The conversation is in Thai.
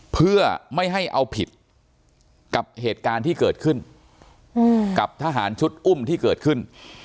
เพื่อไม่ให้เอาผิดกับเหตุการณ์ที่เกิดขึ้นกับทหารชุดอุ้มที่เกิดขึ้น